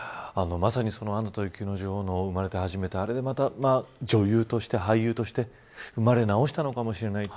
まさにアナと雪の女王の生まれてはじめてあれで女優として、俳優として生まれ直したのかもしれないと。